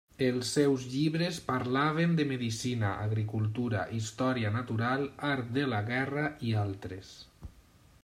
Els seus llibres parlaven de medicina, agricultura, història natural, art de la guerra i altres.